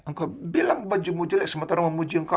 engkau bilang bajumu jelek sementara memuji engkau